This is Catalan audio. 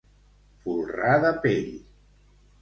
Folrar de pell.